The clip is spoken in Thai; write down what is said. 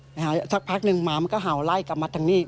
สักพักหนึ่งหมามันก็เห่าไล่กลับมาทางนี้